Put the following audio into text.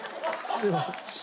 すいません。